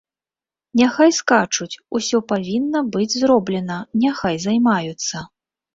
Няхай скачуць, усё павінна быць зроблена, няхай займаюцца.